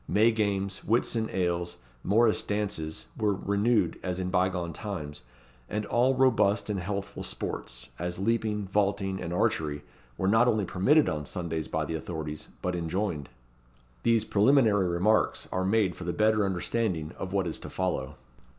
May games, Whitsun ales, Morrice dances, were renewed as in bygone times; and all robust and healthful sports, as leaping, vaulting, and archery, were not only permitted on Sundays by the authorities, but enjoined. These preliminary remarks are made for the better understanding of what is to follow.